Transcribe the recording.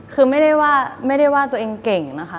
คือไม่ได้ว่าตัวเองเก่งนะคะ